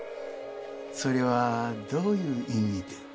それはどういう意味で？